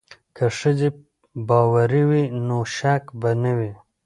که ښځې باوري وي نو شک به نه وي.